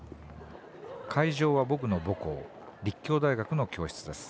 会場は僕の母校立教大学の教室です。